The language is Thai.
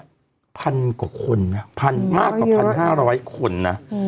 ๑๐๐๐กว่าคนนะ๑๐๐๐มากกว่า๑๕๐๐คนน่ะ